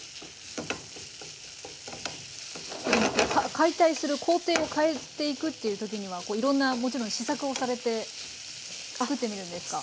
解体する工程を変えていくっていうときにはいろんなもちろん試作をされて作ってみるんですか？